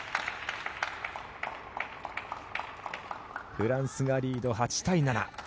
フランスがリード、８対７。